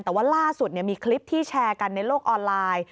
แต่ว่าล่าสุดมีคลิปที่แชร์กันในโลกออนไลน์